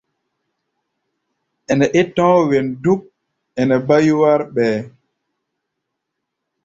Ɛnɛ é tɔ̧́ɔ̧́ wen dúk, ɛɛ bá yúwár ɓɛɛ́.